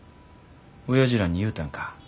おやじらに言うたんか